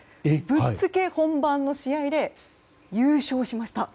ぶっつけ本番の試合で優勝しました。